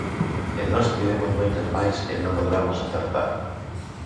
E nós tivemos moitas máis e non logramos acertar.